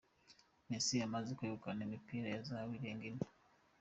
Messi amaze kwegukana imipira ya zahabu irenga ine.